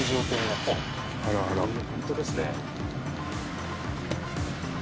ホントですね。